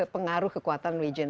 pengaruh kekuatan region